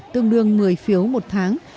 tương đương một mươi phiếu một tháng